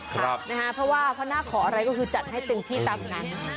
เพราะว่าเพาะนาคขออะไรก็จัดให้ถึงที่ตรัสงาน